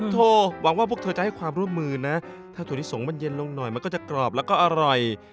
โทรหวังว่าพวกเธอจะให้ความร่วมมือนะถ้าถั่วลิสงมันเย็นลงหน่อยมันก็จะกรอบแล้วก็อร่อย